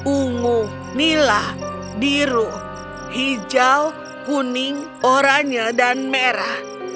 ungu nila biru hijau kuning oranye dan merah